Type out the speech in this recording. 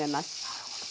なるほど。